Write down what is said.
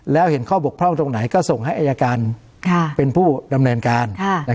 แล้วเห็นข้อบกพร่องตรงไหนก็ส่งให้อายการเป็นผู้ดำเนินการ